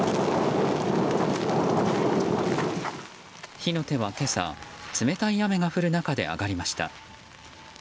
火の手は今朝、冷たい雨が降る中で上がりました。